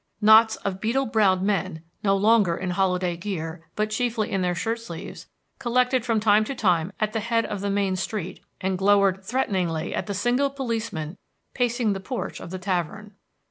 Knots of beetle browed men, no longer in holiday gear, but chiefly in their shirt sleeves, collected from time to time at the head of the main street, and glowered threateningly at the single policeman pacing the porch of the tavern.